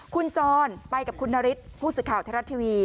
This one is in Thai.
คุณจรไปกับคุณนฤทธิ์ผู้สื่อข่าวไทยรัฐทีวี